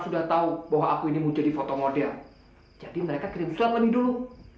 sudah tahu bahwa aku ini menjadi fotomodel jadi mereka kirim surat lagi dulu